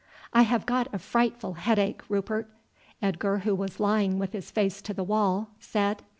"I have got a frightful headache, Rupert," Edgar, who was lying with his face to the wall, said.